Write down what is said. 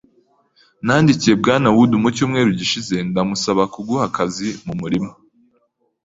Nandikiye Bwana Wood mu cyumweru gishize ndamusaba kuguha akazi mu murima.